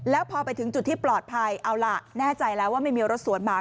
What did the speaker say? แล้วพอไปถึงจุดที่ปลอดภัยเอาล่ะแน่ใจแล้วว่าไม่มีรถสวนมา